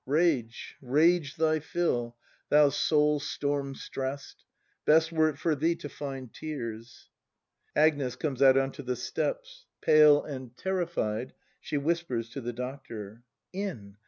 ] Rage, rage thy fill, thou soul storm stress'd ;— Best were it for thee to find tears. Agnes. [Comes out on to the steps: pale and terrified, she whispers to the Doctor.] In!